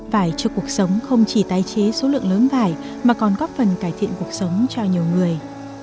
vải cho cuộc sống không chỉ tái chế số lượng lớn vải mà còn góp phần cải thiện cuộc sống cho nhiều người